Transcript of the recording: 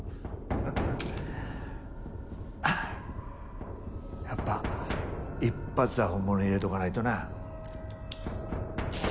ああやっぱ１発は本物入れとかないとな。